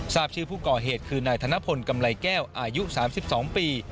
ทราบชื่อผู้ก่อเหตุคือนายธนพลกำไรแก้วอายุ๓๒ปี